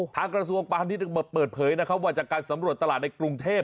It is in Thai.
ทางกระทรวงประธานิษฐรรมเปิดเผยว่าจากการสำรวจตลาดในกรุงเทพฯ